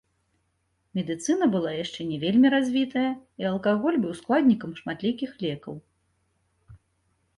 Медыцына была яшчэ не вельмі развітая, і алкаголь быў складнікам шматлікіх лекаў.